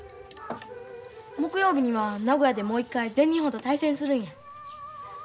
木曜日には名古屋でもう一回全日本と対戦するんや。